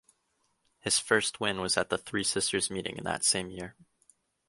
His first win was at the Three Sisters meeting in that same year.